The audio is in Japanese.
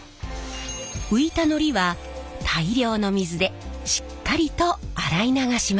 浮いたのりは大量の水でしっかりと洗い流します。